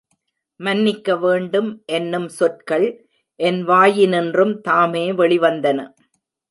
மன்னிக்க வேண்டும் என்னும் சொற்கள் என் வாயினின்றும் தாமே வெளிவந்தன.